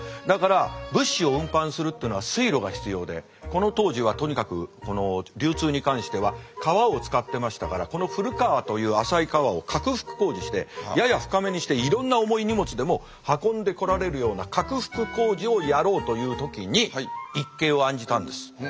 だから物資を運搬するってのは水路が必要でこの当時はとにかく流通に関しては川を使ってましたからこの古川という浅い川を拡幅工事してやや深めにしていろんな重い荷物でも運んでこられるような拡幅工事をやろうという時に一計を案じたんです。